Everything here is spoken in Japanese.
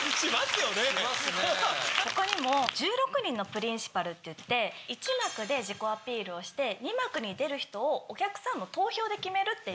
他にも「１６人のプリンシパル」っていって１幕で自己アピールをして２幕に出る人をお客さんの投票で決めるっていう。